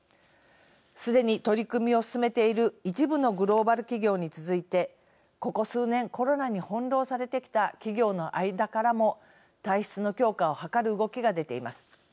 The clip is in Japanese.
すでに取り組みを進めている一部のグローバル企業に続いてここ数年コロナに翻弄されてきた企業の間からも体質の強化を図る動きがでています。